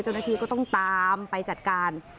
เจ้าหน้าที่ก็ต้องตามไปจัดการ